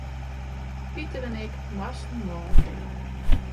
Piter en ik moasten mei.